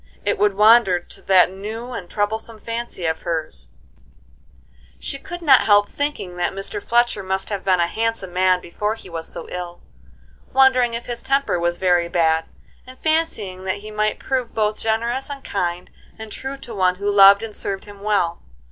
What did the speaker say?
It would wander to that new and troublesome fancy of hers; she could not help thinking that Mr. Fletcher must have been a handsome man before he was so ill; wondering if his temper was very bad, and fancying that he might prove both generous and kind and true to one who loved and served him well.